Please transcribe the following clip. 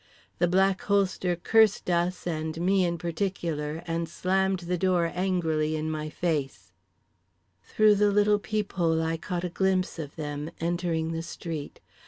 The Black Holster cursed us and me in particular and slammed the door angrily in my face— Through the little peephole I caught a glimpse of them, entering the street.